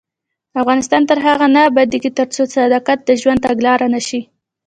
افغانستان تر هغو نه ابادیږي، ترڅو صداقت د ژوند تګلاره نشي.